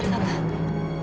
ini udah nanti